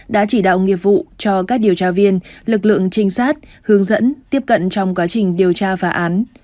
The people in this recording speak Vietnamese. đã chỉ đạo nghiệp vụ cho các điều tra viên lực lượng trinh sát hướng dẫn tiếp cận trong quá trình điều tra phá án